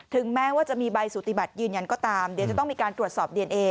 แม้ว่าจะมีใบสุติบัติยืนยันก็ตามเดี๋ยวจะต้องมีการตรวจสอบดีเอนเอ